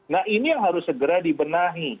nah ini yang harus segera dibenahi